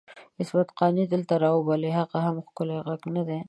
عصمت قانع دلته راوبلئ د هغه هم ښکلی ږغ ندی؟!